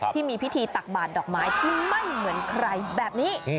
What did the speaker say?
ที่มีพิธีตักบาดดอกไม้ที่ไม่เหมือนใครแบบนี้